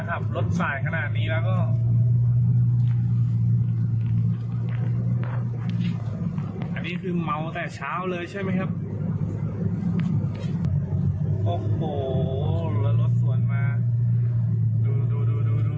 อันนี้คือเมาแต่เช้าเลยใช่ไหมครับโอ้โหรถส่วนมาดูดูดูดู